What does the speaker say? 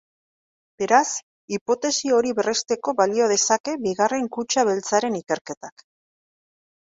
Beraz, hipotesi hori berresteko balio dezake bigarren kutxa beltzaren ikerketak.